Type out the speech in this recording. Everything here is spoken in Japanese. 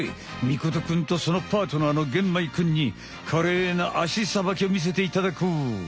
尊くんとそのパートナーの玄米くんにかれいな足さばきを見せていただこう。